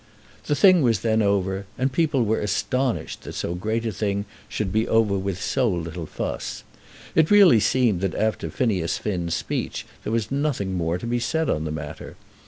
The thing was then over, and people were astonished that so great a thing should be over with so little fuss. It really seemed that after Phineas Finn's speech there was nothing more to be said on the matter.